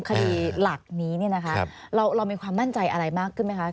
คดีหลักนี้เรามีความมั่นใจอะไรมากขึ้นไหมคะ